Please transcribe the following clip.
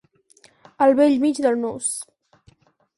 Al bell mig del nus.